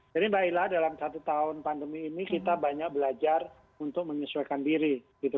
jadi mbak ella dalam satu tahun pandemi ini kita banyak belajar untuk menyesuaikan diri